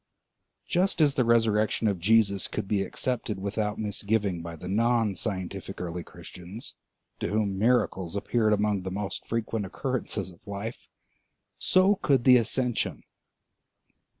Just as the resurrection of Jesus could be accepted without misgiving by the non scientific early Christians, to whom miracles appeared among the most frequent occurrences of life, so could the ascension.